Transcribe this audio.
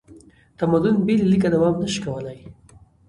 تمدن بې له لیکه دوام نه شي کولی.